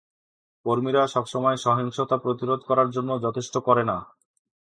কর্মীরা সবসময় সহিংসতা প্রতিরোধ করার জন্য যথেষ্ট করে না।